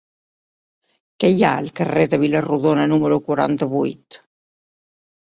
Què hi ha al carrer de Vila-rodona número quaranta-vuit?